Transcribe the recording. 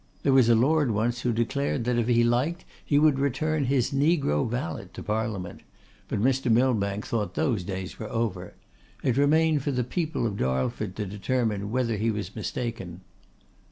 There was a Lord once who declared that, if he liked, he would return his negro valet to Parliament; but Mr. Millbank thought those days were over. It remained for the people of Darlford to determine whether he was mistaken.